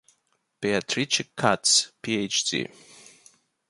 Beatrice Katz, PhD.